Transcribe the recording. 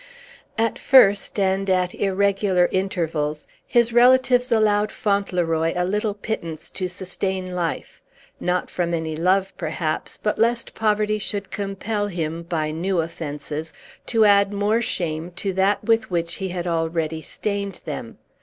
At first, and at irregular intervals, his relatives allowed Fauntleroy a little pittance to sustain life; not from any love, perhaps, but lest poverty should compel him, by new offences, to add more shame to that with which he had already stained them.